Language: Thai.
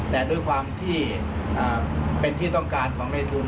แต่ด้วยความที่เป็นที่ต้องการของในทุน